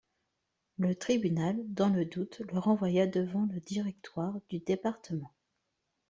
Le tribunal, dans le doute, le renvoya devant le directoire du département.